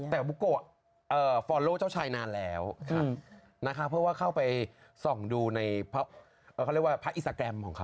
แต่บุโกะฟอลโลเจ้าชายนานแล้วนะคะเพราะว่าเข้าไปส่องดูในพระอิสกรรมของเขา